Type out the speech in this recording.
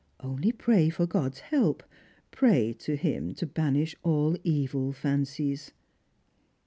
Only pray for God's hel^^, pray to Him to banish all evil fancies."